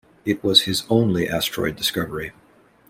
It was his only asteroid discovery.